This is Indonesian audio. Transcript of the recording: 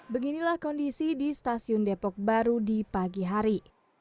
beginilah kondisi di stasiun depok baru di pagi hari